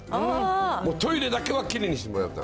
もうトイレだけはきれいにしてもらいたい。